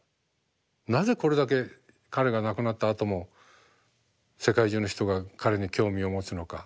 なぜこれだけ彼が亡くなったあとも世界中の人が彼に興味を持つのか。